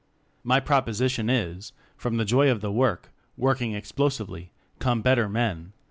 My proposition is: from the joy of the work Working Explosively come better men.